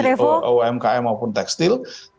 perlengkapan industri umkm maupun tekstil